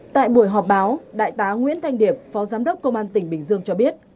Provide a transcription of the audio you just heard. tại buổi họp báo đại tá nguyễn thanh điệp phó giám đốc công an tỉnh bình dương cho biết